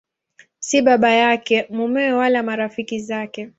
Si baba yake, mumewe wala marafiki zake.